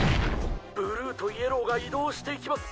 ブルーとイエローが移動していきます